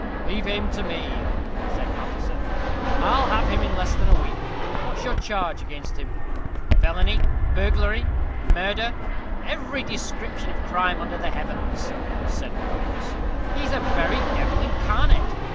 "Leave him to me," said Paterson; "I'll have him in less than a week. What's your charge against him?" "Felony, burglary, murder, every description of crime under the heavens," said Coates. "He's a very devil incarnate.